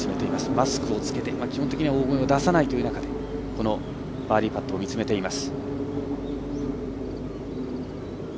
マスクをつけて、基本的には大声を出さない中でこのバーディーパットを見つめています。